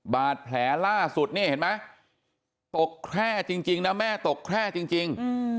บาดแผลล่าสุดนี่เห็นไหมตกแคร่จริงนะแม่ตกแคร่จริง